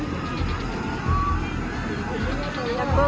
ดับตื้อไปแล้ว